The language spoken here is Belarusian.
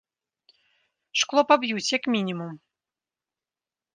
Шкло паб'юць, як мінімум.